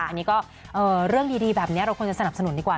อันนี้ก็เรื่องดีแบบนี้เราควรจะสนับสนุนดีกว่า